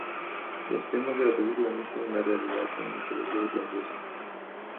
Los temas de la película mezclan la realidad con la mitología irlandesa.